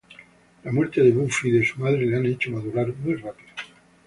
La muerte de Buffy y de su madre le han hecho madurar muy rápido.